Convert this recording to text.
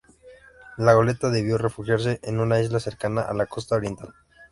La goleta debió refugiarse en una isla cercana a la costa oriental.